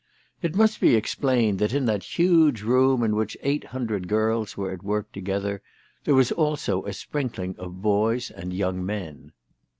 It must be explained that in that huge room in which eight hundred girls were at work together, there was also a sprinkling of boys and young men.